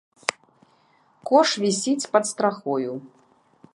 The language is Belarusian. Кош вісіць пад страхою.